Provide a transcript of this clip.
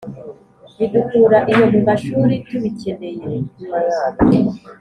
bidukura iyo mu mashuri tubikeneye